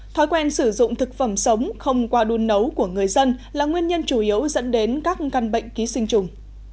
thói quen sử dụng thực phẩm sống không qua đun nấu của người dân là nguyên nhân chủ yếu dẫn đến các căn bệnh ký sinh trùng